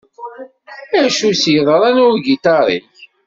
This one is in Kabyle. Acu s-yeḍran i ugiṭar-ik?